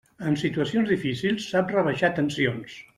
En situacions difícils sap rebaixar tensions.